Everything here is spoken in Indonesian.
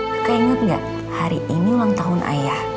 kakek ingat gak hari ini ulang tahun ayah